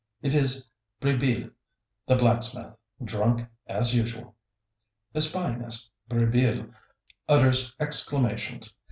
It is Brisbille, the blacksmith, drunk, as usual. Espying us, Brisbille utters exclamations.